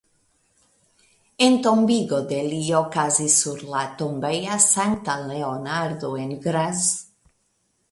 Entombigo de li okazis sur la tombejo Sankta Leonardo en Graz.